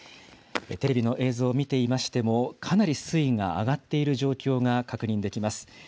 テレビの映像を見ていましても、かなり水位が上がっている状況が確認できます。